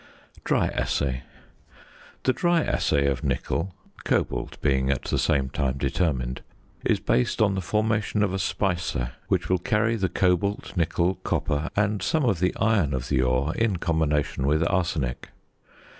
DRY ASSAY. The dry assay of nickel (cobalt being at the same time determined) is based on the formation of a speise which will carry the cobalt, nickel, copper, and some of the iron of the ore in combination with arsenic.